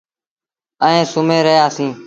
ائيٚݩ سُمهي رهيآ سيٚݩ۔